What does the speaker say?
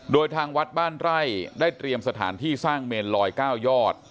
โดยทางวัดบ้านไร่ได้เตรียมสถานที่สร้างเมนลอย๙ยอด